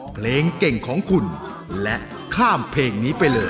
เพลงเก่งของคุณและข้ามเพลงนี้ไปเลย